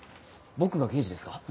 僕が刑事ですか？